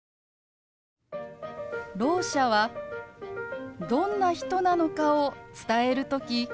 ろう者はどんな人なのかを伝える時